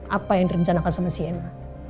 apa yang direncanakan sama cnn